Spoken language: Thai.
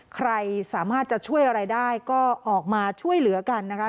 ใครสามารถจะช่วยอะไรได้ก็ออกมาช่วยเหลือกันนะคะ